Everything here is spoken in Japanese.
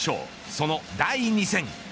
その第２戦。